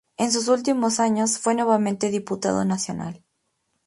En sus últimos años fue nuevamente diputado nacional.